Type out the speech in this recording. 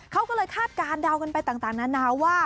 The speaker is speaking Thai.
เขาก็เลยคาดการณ์เดากันไปต่างนานาว่า